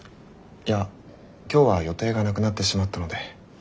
いや今日は予定がなくなってしまったので。